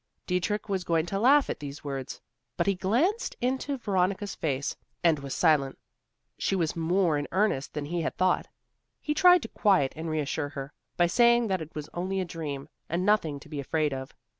Dietrich was going to laugh at these words, but he glanced into Veronica's face and was silent. She was more in earnest than he had thought. He tried to quiet and reassure her, by saying that it was only a dream, and nothing to be afraid of.